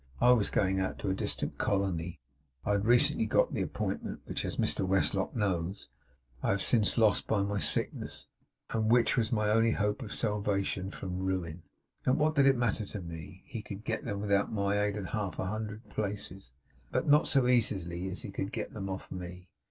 I was going out to a distant colony (I had recently got the appointment, which, as Mr Westlock knows, I have since lost by my sickness, and which was my only hope of salvation from ruin), and what did it matter to me? He could get them without my aid at half a hundred places, but not so easily as he could get them of me.